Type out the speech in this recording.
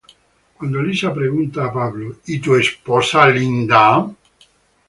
Cuando Lisa pregunta a Paul "¿Y tu esposa Linda?